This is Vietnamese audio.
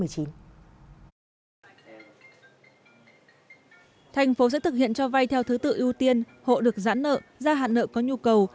thành phố sẽ thực hiện cho vay theo thứ tự ưu tiên hộ được giãn nợ gia hạn nợ có nhu cầu